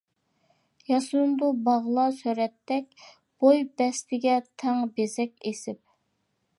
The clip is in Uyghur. ياسىنىدۇ باغلار سۈرەتتەك، بوي بەستىگە تەڭ بېزەك ئېسىپ.